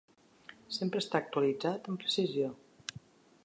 Sempre està actualitzat amb precisió.